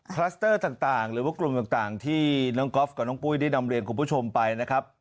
คลัสเตอร์ต่างหรือว่ากลุ่มต่างที่น้องก๊อฟกับน้องปุ้ยได้นำเรียนคุณผู้ชมไปนะครับ